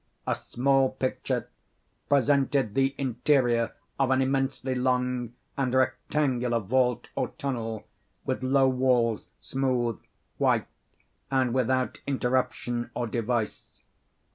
A small picture presented the interior of an immensely long and rectangular vault or tunnel, with low walls, smooth, white, and without interruption or device.